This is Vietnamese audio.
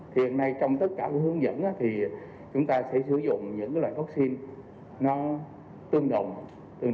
chuyển này trong tất cả hướng dẫn thì chúng ta sẽ sử dụng những loại hút xin nó tương đồng tương